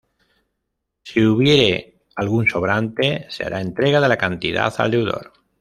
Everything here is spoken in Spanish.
Si hubiere algún sobrante, se hará entrega de la cantidad al deudor.